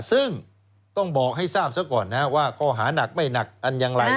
ซึ่งต้องบอกให้ทราบซะก่อนนะว่าข้อหานักไม่หนักอันอย่างไร